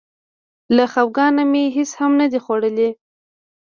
له خپګانه مې هېڅ هم نه دي خوړلي.